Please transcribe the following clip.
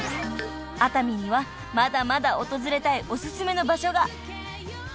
［熱海にはまだまだ訪れたいお薦めの場所が］